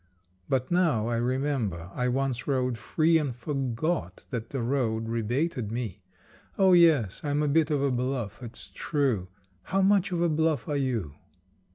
But, now I remember, I once rode free And forgot that the road rebated me! Oh, yes, I'm a bit of a bluff, its true; How much of a bluff are you?